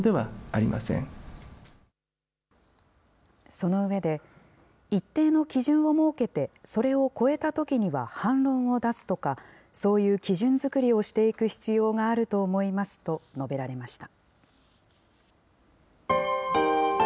その上で、一定の基準を設けて、それを超えたときには反論を出すとか、そういう基準作りをしていく必要があると思いますと述べられました。